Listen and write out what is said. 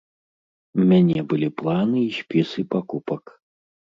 У мяне былі планы і спісы пакупак.